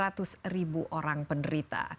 terdapat sekitar lima puluh hingga dua ratus orang penerita